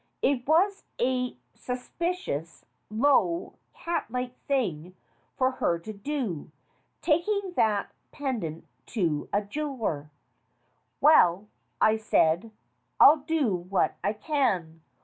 It was a suspicious, low, catlike thing for her to do, taking that pendant to a jeweller." "Well," I said, "I'll do what I can.